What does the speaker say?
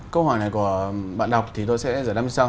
câu hỏi này của bạn đọc thì tôi sẽ giải đáp như sau